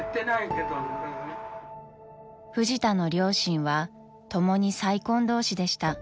［フジタの両親は共に再婚同士でした］